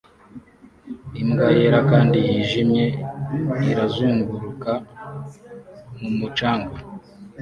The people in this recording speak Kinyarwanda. Imbwa yera kandi yijimye irazunguruka mu mucanga